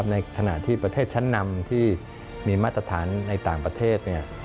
ในขณะที่ประเทศชั้นนำที่มีมาตรฐานในต่างประเทศ